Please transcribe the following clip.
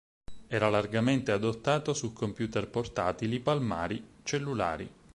Era largamente adottato su computer portatili, palmari, cellulari.